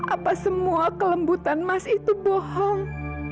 apa semua kelembutan emas itu bohong